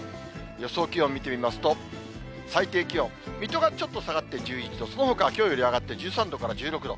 予想気温見てみますと、最低気温、水戸がちょっと下がって１１度、そのほかはきょうより上がって、１３度から１６度。